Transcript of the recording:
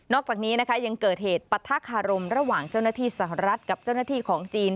อกจากนี้นะคะยังเกิดเหตุปะทะคารมระหว่างเจ้าหน้าที่สหรัฐกับเจ้าหน้าที่ของจีน